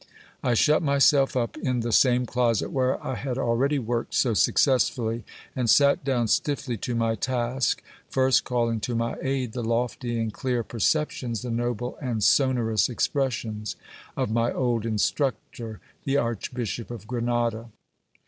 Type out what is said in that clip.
I shut myself up in the same closet where I had already worked so successfully, and sat down stiffly to my task, first calling to my aid the lofty and clear perceptions, the noble and sonorous expressions, of my old instructor, the archbishop of Grenada.